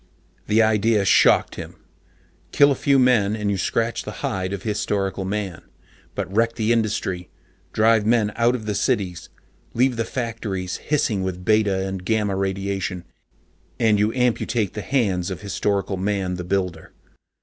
The idea shocked him. Kill a few men, and you scratch the hide of Historical Man. But wreck the industry, drive men out of the cities, leave the factories hissing with beta and gamma radiation, and you amputate the hands of Historical Man the Builder.